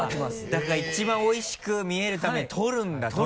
だから一番おいしく見えるために撮るんだとにかく。